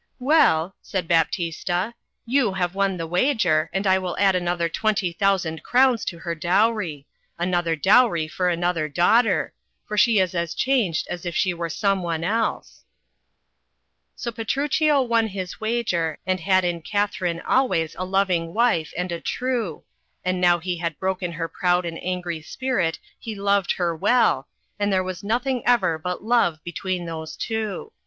'Well," said Baptista, "you have won the wager, and I will add another twenty thousand crowns to her dowry — another dowry for HAMLET. 4S another daughter — for she is as changed as if she were some one else." So Petruchio won his wager, and had in Katharine always a lov ing wife and a true, and now he had broken her proud and angry spirit he loved her well, and there was nothmg ever but love between those two.